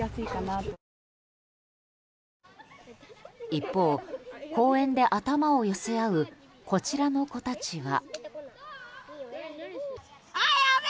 一方、公園で頭を寄せ合うこちらの子たちは。